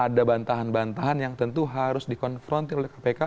ada bantahan bantahan yang tentu harus dikonfrontir oleh kpk